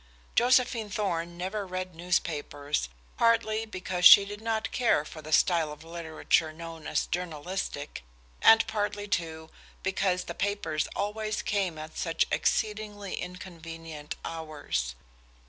Josephine Thorn never read newspapers, partly because she did not care for the style of literature known as journalistic, and partly, too, because the papers always came at such exceedingly inconvenient hours.